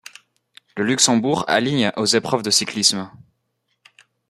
Le Luxembourg aligne aux épreuves de cyclisme.